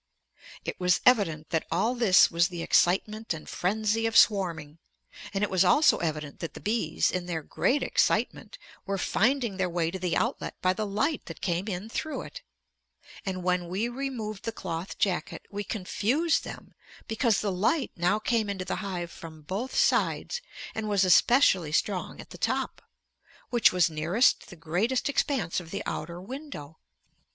It was evident that all this was the excitement and frenzy of swarming. And it was also evident that the bees, in their great excitement, were finding their way to the outlet by the light that came in through it. And when we removed the cloth jacket we confused them because the light now came into the hive from both sides and was especially strong at the top, which was nearest the greatest expanse of the outer window.